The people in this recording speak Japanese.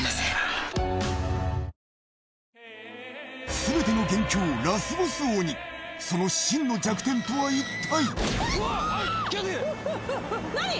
全ての元凶、ラスボス鬼、真の弱点とは一体？